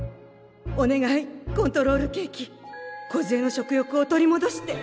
お願いコントロールケーキこずえの食欲を取りもどして。